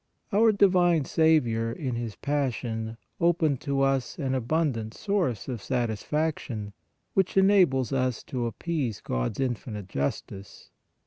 Our Divine Saviour in His Passion opened to us an abundant source of satisfaction, which enables us to appease God s infinite justice.